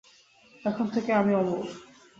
এখন থেকে আমি অমর!